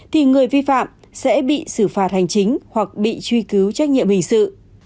thì người vi phạm sẽ bị xử phạt hành chính hoặc bị truy cứu trách nhiệm hình sự